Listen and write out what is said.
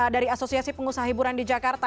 dari asosiasi pengusaha hiburan di jakarta